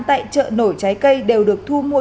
tại chợ nổi trái cây đều được thu mua